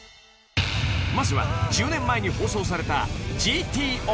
［まずは１０年前に放送された『ＧＴＯ』］